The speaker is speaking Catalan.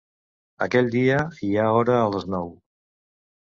Aquell dia hi ha hora a les nou.